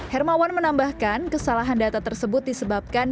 hermawan menambahkan kesalahan data tersebut disebabkan